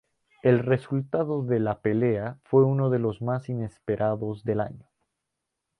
El resultado de la pelea fue uno de los más inesperados del año.